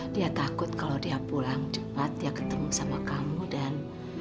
dia takut kalau dia pulang cepat dia ketemu sama kamu dan